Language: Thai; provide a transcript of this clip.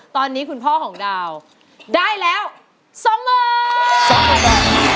ตอนนี้คุณพ่อของดาวได้แล้ว๒ล้าน